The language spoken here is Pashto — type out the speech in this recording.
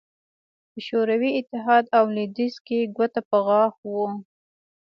په شوروي اتحاد او لوېدیځ کې ګوته په غاښ وو